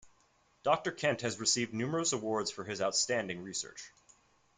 Doctor Kent has received numerous awards for his outstanding research.